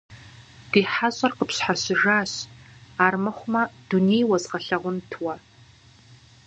Ди хьэщӀэр къыпщхьэщыжащ армыхъуамэ дуней уэзгъэлъагъунт уэ.